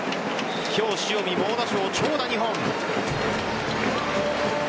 今日、塩見猛打賞、長打２本。